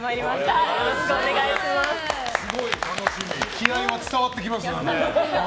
気合が伝わってきますね。